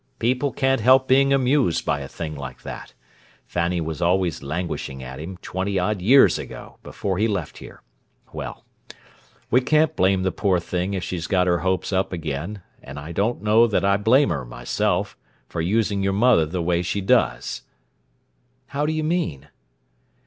People can't help being amused by a thing like that. Fanny was always languishing at him, twenty odd years ago, before he left here. Well, we can't blame the poor thing if she's got her hopes up again, and I don't know that I blame her, myself, for using your mother the way she does." "How do you mean?"